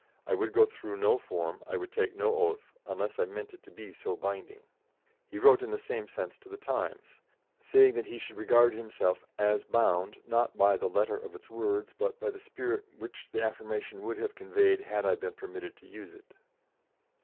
I would go through no form, I would take no oath, unless I meant it to be so binding." He wrote in the same sense to the Times, saying that he should regard himself "as bound, not by the letter of its words, but by the spirit which the affirmation would have conveyed, had I been permitted to use it."